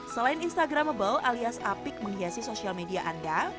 selain instagramable alias apik menghiasi sosial media anda